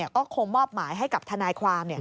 ก็คงมอบหมายให้กับทนายความ